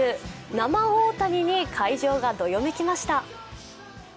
生大谷に会場がどよめきました。